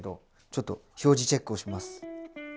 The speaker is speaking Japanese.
ちょっと表示チェックをします。